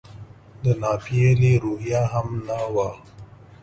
د ناپیېلې روحیه هم نه وه.